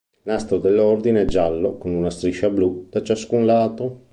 Il "nastro" dell'Ordine è giallo, con una striscia blu su ciascun lato.